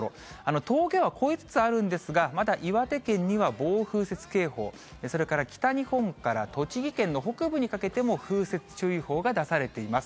峠は越えつつあるんですが、まだ岩手県には暴風雪警報、それから北日本から栃木県の北部にかけても、風雪注意報が出されています。